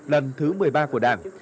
lần thứ một mươi ba của đảng